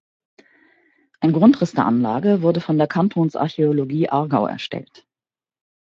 Ein Grundriss der Anlage wurde von der Kantonsarchäologie Aargau erstellt.